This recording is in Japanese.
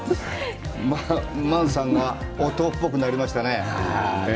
万さんが、男っぽくなりましたね。